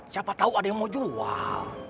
siapa tahu ada yang mau jual